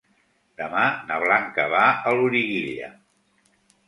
Demà na Blanca va a Loriguilla.